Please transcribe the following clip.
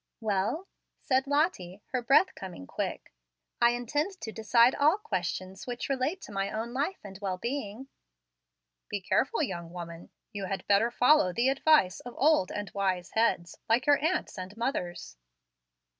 "Well," said Lottie, her breath coming quick, "I intend to decide all questions which relate to my own life and well being." "Be careful, young woman. You had better follow the advice of old and wise heads like your aunt's and mother's."